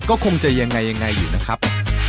ก็คงจะยังไงอยู่นะครับ